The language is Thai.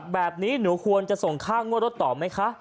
แบบนี้หนูควรจะส่งค่างวดรถต่อไหมคะ